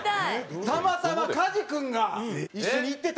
たまたま加地君が一緒に行ってたんか。